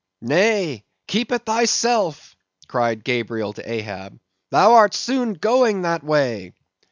"Nay, keep it thyself," cried Gabriel to Ahab; "thou art soon going that way."